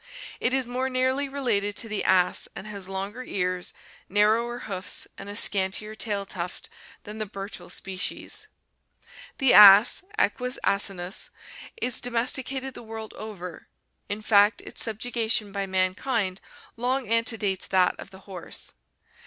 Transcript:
It is more nearly related to the ass and has longer ears, narrower hoofs and a scantier tail tuft than the Burchell species. The ass, Equus asinus, is domesticated the world over, in fact its subjugation by mankind long antedates that of the horse.